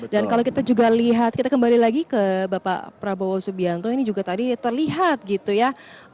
dan kalau kita juga lihat kita kembali lagi ke bapak prabowo subianto ini juga tadi terlihat gitu ya